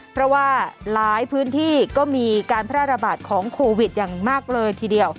เพราะว่าหลายพื้นที่ก็มีการแพร่ระบาดของโควิดอย่างมากเลยทีเดียว